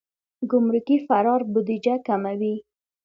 ګمرکي فرار بودیجه کموي.